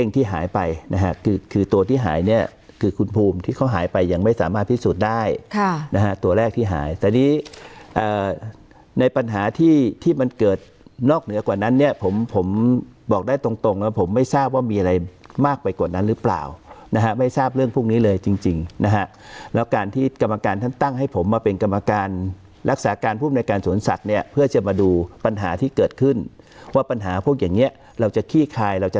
แต่ยังไม่สามารถพิสูจน์ได้ตัวแรกที่หายในปัญหาที่ที่มันเกิดนอกเหนือกว่านั้นเนี่ยผมผมบอกได้ตรงแล้วผมไม่ทราบว่ามีอะไรมากไปกว่านั้นหรือเปล่านะฮะไม่ทราบเรื่องพวกนี้เลยจริงนะฮะแล้วการที่กรรมการท่านตั้งให้ผมมาเป็นกรรมการรักษาการภูมิในการสนสัตว์เนี่ยเพื่อจะมาดูปัญหาที่เกิดขึ้นว่าปัญหา